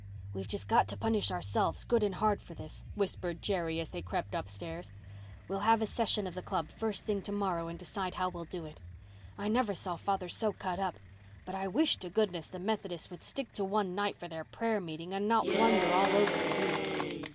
"We've just got to punish ourselves good and hard for this," whispered Jerry as they crept upstairs. "We'll have a session of the Club first thing tomorrow and decide how we'll do it. I never saw father so cut up. But I wish to goodness the Methodists would stick to one night for their prayer meeting and not wander all over the week."